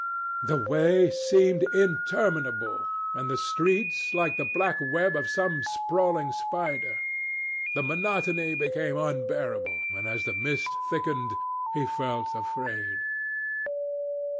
The way seemed interminable, and the streets like the black web of some sprawling spider. The monotony became unbearable, and as the mist thickened, he felt afraid.